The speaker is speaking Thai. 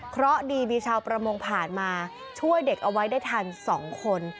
เพราะดีมีชาวประมงผ่านมาช่วยเด็กเอาไว้ได้ทัน๒คน